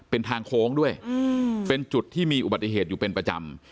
เป็นทางโค้งด้วยเป็นจุดที่มีอุบัติเหตุอยู่เป็นประจำ